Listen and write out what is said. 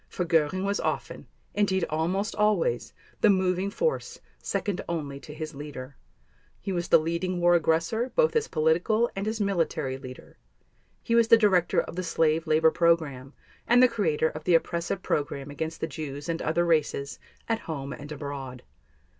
For Göring was often, indeed almost always, the moving force, second only to his leader. He was the leading war aggressor, both as political and as military leader; he was the director of the slave labor program and the creator of the oppressive program against the Jews and other races, at home and abroad.